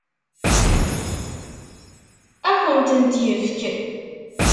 Ad akent-ten-yefk?